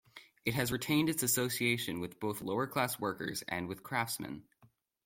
It has retained its association with both lower class workers and with craftsmen.